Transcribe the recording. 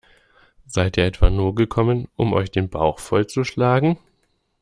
Seid ihr etwa nur gekommen, um euch den Bauch vollzuschlagen?